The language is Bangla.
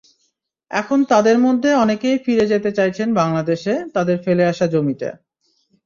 এখন তাঁদের মধ্যে অনেকেই ফিরে যেতে চাইছেন বাংলাদেশে তাঁদের ফেলে আসা জমিতে।